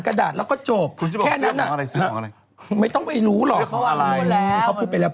ว่าจะตัดตอะ